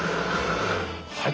はい。